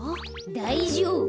だいじょうぶ。